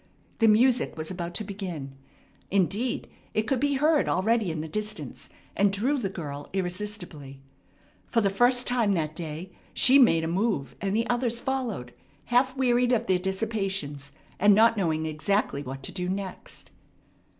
The music was about to begin. Indeed, it could be heard already in the distance, and drew the girl irresistibly. For the first time that day she made a move, and the others followed, half wearied of their dissipations, and not knowing exactly what to do next.